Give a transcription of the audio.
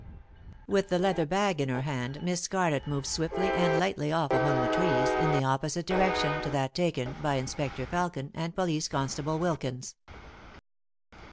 With the leather bag in her hand Miss Scarlett moved swiftly and lightly off among the trees, in the opposite direction to that taken by Inspector Felkin and Police Constable Wilkins.